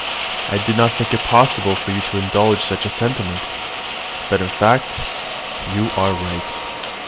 I did not think it possible for you to indulge such a sentiment. But in fact you are right.